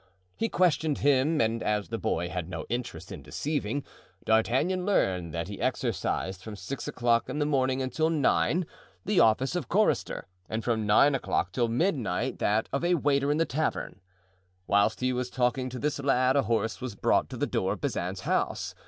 He questioned him, and as the boy had no interest in deceiving, D'Artagnan learned that he exercised, from six o'clock in the morning until nine, the office of chorister, and from nine o'clock till midnight that of a waiter in the tavern. Whilst he was talking to this lad a horse was brought to the door of Bazin's house.